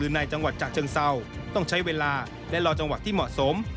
ในจังหวัดฉะเชิงเศร้าต้องใช้เวลาและรอจังหวัดที่เหมาะสม